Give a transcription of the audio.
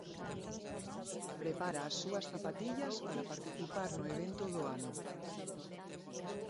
Prepara as súas zapatillas para participar no evento do ano.